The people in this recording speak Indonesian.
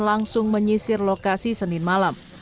langsung menyisir lokasi senin malam